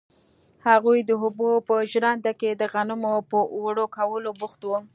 هغوی د اوبو په ژرنده کې د غنمو په اوړه کولو بوخت وو.